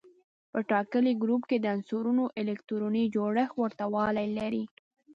په ټاکلي ګروپ کې د عنصرونو الکتروني جوړښت ورته والی لري.